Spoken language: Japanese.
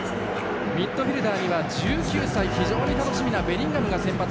ミッドフィールダーには１９歳非常に楽しみなベリンガムが先発。